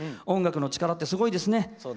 音楽の力ってすごいですね。